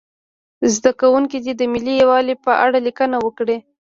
زده کوونکي دې د ملي یووالي په اړه لیکنه وکړي.